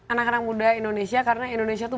anak anak muda indonesia karena indonesia itu